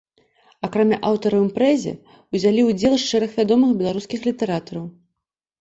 Акрамя аўтара ў імпрэзе ўзялі ўдзел шэраг вядомых беларускіх літаратараў.